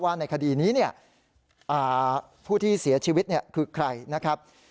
ในคดีนี้เนี่ยผู้ที่เสียชีวิตคือใครนะครับ